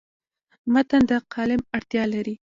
متن د قالب اړتیا لري.